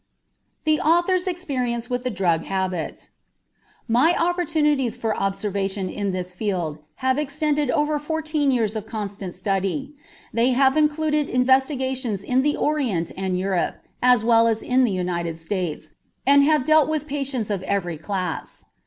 THE AUTHOR'S EXPERIENCE WITH THE DRUG HABIT My opportunities for observation in this field have extended over fourteen years of constant study. They have included investigations in the Orient and Europe as well as in the United States, and have dealt with patients of every class.